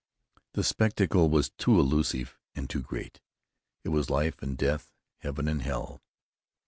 The spectacle was too elusive and too great. It was life and death, heaven and hell.